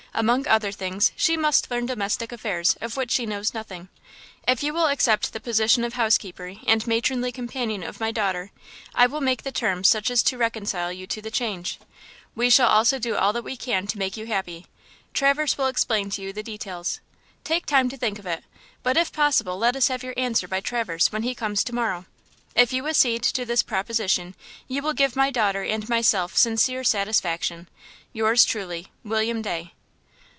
Among other things, she must learn domestic affairs, of which she knows nothing. If you will accept the position of housekeeper and matronly companion of my daughter, I will make the terms such as shall reconcile you to the change. We shall also do all that we can to make you happy. Traverse will explain to you the details. Take time to think of it, but if possible let us have your answer by Traverse when he comes to morrow. If you accede to this proposition you will give my daughter and myself sincere satisfaction. Yours truly, WILLIAM DAY.